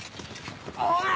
おい！